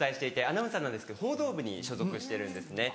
アナウンサーなんですけど報道部に所属してるんですね。